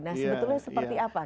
nah sebetulnya seperti apa